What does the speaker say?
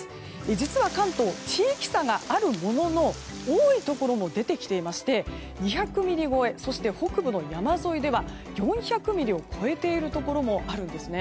実は関東、地域差があるものの多いところも出てきていまして２００ミリ超えそして北部の山沿いでは４００ミリを超えているところもあるんですね。